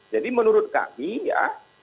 jadi menurut kami ya